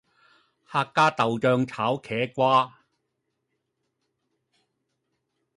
客家豆酱炒茄瓜